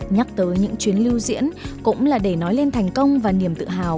nhắc tới những chuyến lưu diễn cũng là để nói lên thành công và niềm tự hào